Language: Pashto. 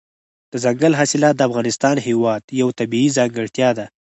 دځنګل حاصلات د افغانستان هېواد یوه طبیعي ځانګړتیا ده.